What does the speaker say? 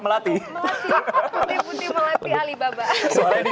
melati buni buni melati alibaba